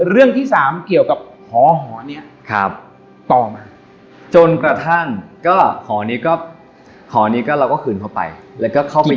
เรื่องที่สามเกี่ยวกับหอหอนี้ครับต่อมาจนกระทั่งก็หอนี้ก็หอนี้ก็เราก็คืนเข้าไปแล้วก็เข้าไป